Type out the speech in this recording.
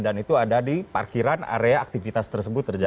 dan itu ada di parkiran area aktivitas tersebut terjadi